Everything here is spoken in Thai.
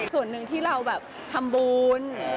ส่วนหนึ่งที่เราแบบทำบุญ